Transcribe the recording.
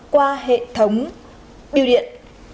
qua hệ thống biêu điện